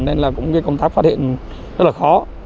nên là cũng công tác phát hiện rất là khó